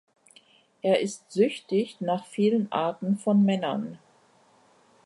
Er ist süchtig nach vielen Arten von Männern.